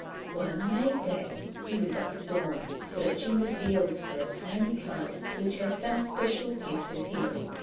One Mayday he was up at dawn, searching the fields for a tiny plant which had some special gift of healing.